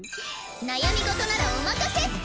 悩み事ならお任せ！